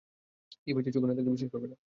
কী পেয়েছি চোখে না দেখলে বিশ্বাস করবে না!